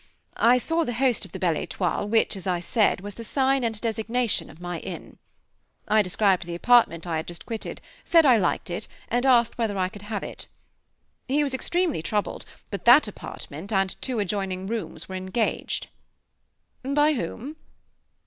I saw the host of the Belle Étoile which, as I said, was the sign and designation of my inn. I described the apartment I had just quitted, said I liked it, and asked whether I could have it. He was extremely troubled, but that apartment and two adjoining rooms were engaged. "By whom?"